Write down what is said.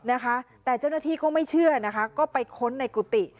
นะคะแต่เจ้าหน้าที่ก็ไม่เชื่อนะคะก็ไปค้นในกุฏิ